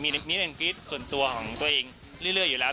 นิดนึงกรี๊ดส่วนตัวของตัวเองเรื่อยอยู่แล้ว